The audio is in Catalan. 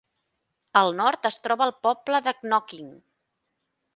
Al nord es troba el poble de Knockin.